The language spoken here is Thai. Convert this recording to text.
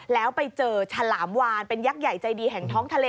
แล้วไปเจอฉลามวานเป็นยักษ์ใหญ่ใจดีแห่งท้องทะเล